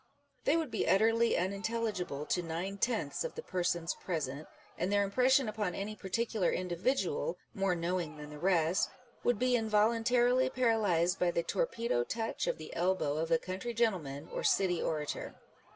They would be utterly unintelligible to nine tenths of the persons present, and their impression upon any par ticular individual, more knowing than the rest, would be involuntarily paralysed by the torpedo touch of the elbow of a country gentleman or city orator.